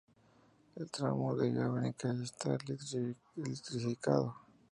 El tramo es de vía única y está electrificado.